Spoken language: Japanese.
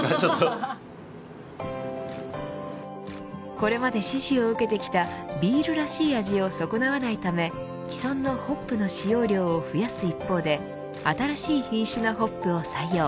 これまで支持を受けてきたビールらしい味を損なわないため既存のホップの使用量を増やす一方で新しい品種のホップを採用。